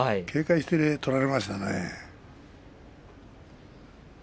警戒して取られましたね。